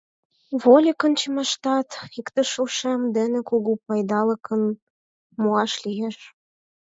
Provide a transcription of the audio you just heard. Вольык ончымаштат иктыш ушем дене кугу пайдалыкым муаш лиеш.